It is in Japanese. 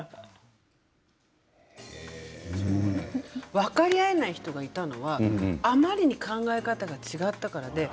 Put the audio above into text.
分かり合えない人がいたのはあまりに考え方が違うからです。